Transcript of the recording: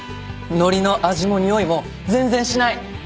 のりの味もにおいも全然しない！